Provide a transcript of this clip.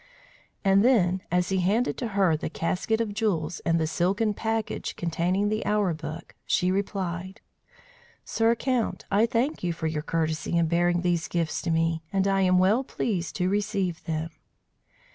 And then, as he handed to her the casket of jewels and the silken package containing the hour book, she replied: "Sir Count, I thank you for your courtesy in bearing these gifts to me, and I am well pleased to receive them."